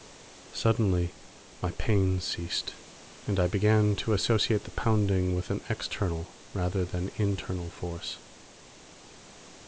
Suddenly my pain ceased, and I began to associate the pounding with an external rather than internal force.